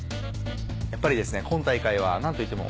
やっぱり今大会は何といっても。